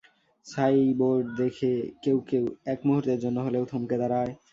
সাইবোর্ড দেখে কেউ কেউ এক মুহুর্তের জন্য হলেও থমকে দাঁড়ায়।